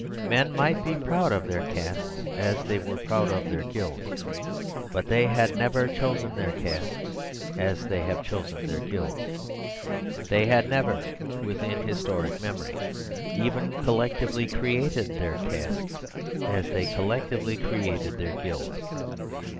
Men might be proud of their castes, as they were proud of their guilds. But they had never chosen their castes, as they have chosen their guilds. They had never, within historic memory, even collectively created their castes, as they collectively created their guilds.